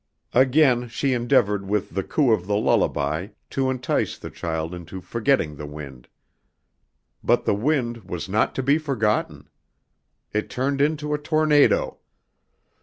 Again she endeavored with the coo of the lullaby to entice the child into forgetting the wind. But the wind was not to be forgotten. It turned into a tornado.